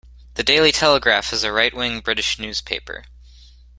The Daily Telegraph is a right-wing British newspaper.